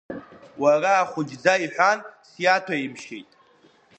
Уара ахәыҷӡа иҳәан сиаҭәаимшьеит.